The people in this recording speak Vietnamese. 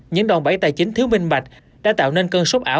những đòn bẫy tài chính thiếu minh bạch đã tạo nên cơn sốc ảo